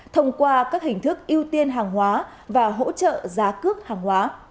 thông qua các hình thức ưu tiên hàng hóa và hỗ trợ giá cước hàng hóa